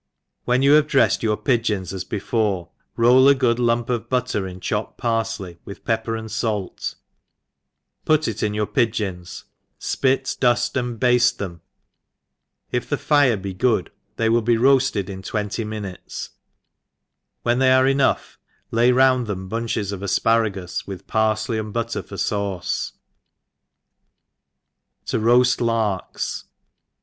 WHEN you have dreffed your pigeons, as be fore, roll a good lumpot butter in chopped par« fley, with pepper and falt^ put in your pi geons, fpit, duftt and bafte them ; if the Are he good they will be roafted in twenty minutes ; when they are enough lay round them bunches of afparagus, with parfley and butter for faace« TV roaji Lakks.